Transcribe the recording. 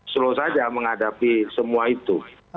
slow saja menghadapi semua itu